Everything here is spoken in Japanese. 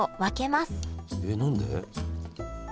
えっ何で？